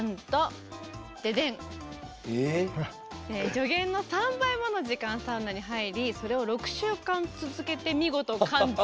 助言の３倍もの時間サウナに入りそれを６週間続けて見事完治。